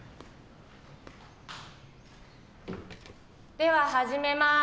では始めまーす。